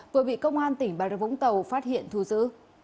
vừa bị công an tỉnh bà rập vũng tàu phát hiện thu giữ